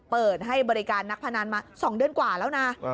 เปิดให้บริการนักพนันมา๒เดือนกว่าแล้วนะ